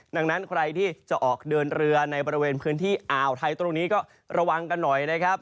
ดังนั้นใครที่จะออกเดินเรือในบริเวณพื้นที่อ่าวไทยตรงนี้ก็ระวังกันหน่อยนะครับ